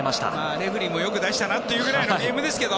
レフェリーもよく出したなというくらいのゲームですけど。